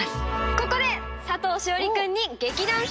ここで佐藤栞里君に。